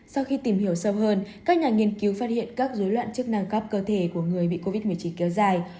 sau khi tìm hiểu sâu hơn các nhà nghiên cứu phát hiện các dối loạn chức năng cấp cơ thể của người bị covid một mươi chín kéo dài